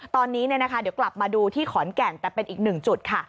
ตอนนี้เดี๋ยวกลับมาดูที่ขอนแก่นแต่เป็นอีกหนึ่งจุดค่ะ